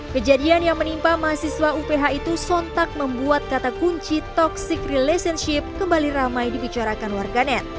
kejadian yang menimpa mahasiswa uph itu sontak membuat kata kunci toxic relationship kembali ramai dibicarakan warganet